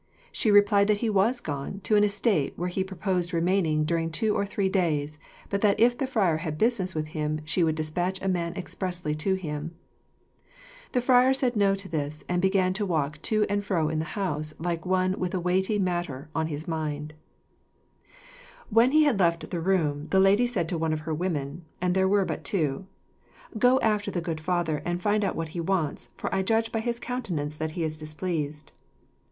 She replied that he was gone to an estate where he proposed remaining during two or three days, but that if the friar had business with him, she would despatch a man expressly to him. The friar said no to this, and began to walk to and fro in the house like one with a weighty matter in his mind. 1 Maximilian I., grandfather of Charles V. and Ferdinand I., and Emperor of Germany from 1494 to 1519. Ed. When he had left the room, the lady said to one of her women (and there were but two) "Go after the good father and find out what he wants, for I judge by his countenance that he is displeased."